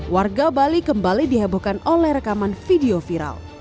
warga bali kembali dihebohkan oleh rekaman video viral